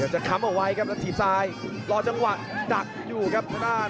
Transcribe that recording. จะค้ำเอาไว้ครับแล้วถีบซ้ายรอจังหวะดักอยู่ครับทางด้าน